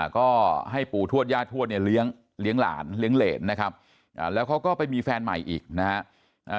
ก็ให้ปู่ทวดย่าทวดเนี่ยเลี้ยงหลานเลี้ยงเหรนนะครับแล้วเขาก็ไปมีแฟนใหม่อีกนะฮะ